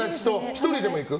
１人でも行く？